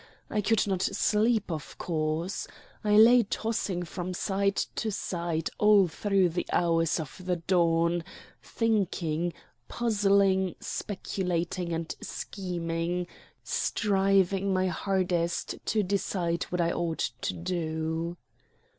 I could not sleep, of course. I lay tossing from side to side all through the hours of the dawn, thinking, puzzling, speculating, and scheming; striving my hardest to decide what I ought to do.